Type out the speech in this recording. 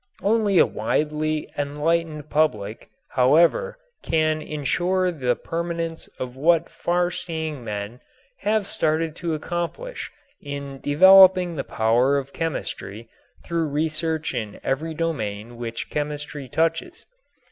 Only a widely enlightened public, however, can insure the permanence of what farseeing men have started to accomplish in developing the power of chemistry through research in every domain which chemistry touches.